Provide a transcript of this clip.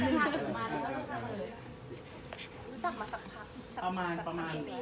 รู้จักมาสักพัก